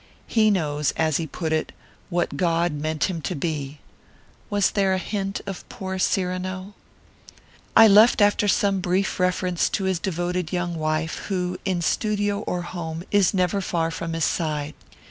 He knows, as he put it, 'what God meant him to be.' Was here a hint of poor Cyrano? "I left after some brief reference to his devoted young wife, who, in studio or home, is never far from his side.